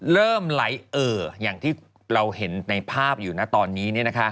เริ่มไหลเอ่ออย่างที่เราเห็นในภาพอยู่นะตอนนี้